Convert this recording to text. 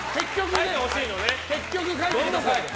結局、書いてください。